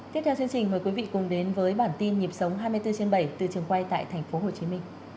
tiếp theo chương trình mời quý vị cùng đến với bản tin nhịp sống hai mươi bốn trên bảy từ trường quay tại tp hcm